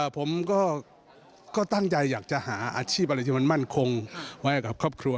ผมก็ตั้งใจอยากจะหาอาชีพอะไรที่มันมั่นคงไว้กับครอบครัว